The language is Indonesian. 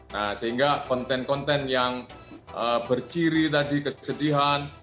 nah sehingga konten konten yang berciri tadi kesedihan